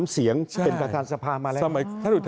เสียงเป็นประธานสภามาแล้ว